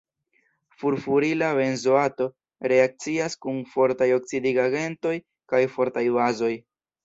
Furfurila benzoato reakcias kun fortaj oksidigagentoj kaj fortaj bazoj.